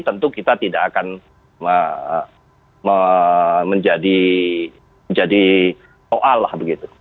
tentu kita tidak akan menjadi soal lah begitu